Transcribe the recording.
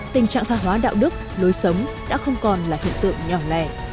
tình trạng tha hóa đạo đức lối sống đã không còn là hiện tượng nhỏ lẻ